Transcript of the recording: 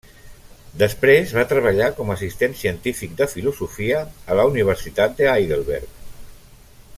Després va treballar com a assistent científic de filosofia a la Universitat de Heidelberg.